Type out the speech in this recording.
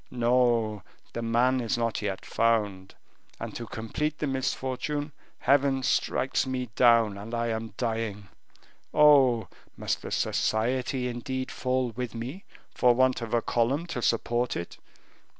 No, the man is not yet found, and to complete the misfortune, Heaven strikes me down, and I am dying. Oh! must the society indeed fall with me for want of a column to support it?